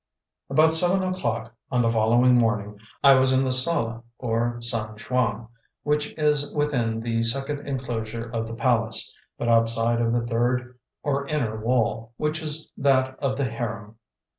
About seven o'clock on the following morning I was in the Sala or San Shuang, which is within the second enclosure of the palace, but outside of the third or inner wall, which is that of the harem.